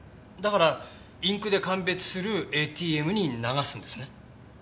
だからインクで鑑別するＡＴＭに流すんですね？